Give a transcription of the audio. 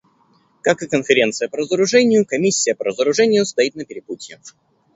Как и Конференция по разоружению, Комиссия по разоружению стоит на перепутье.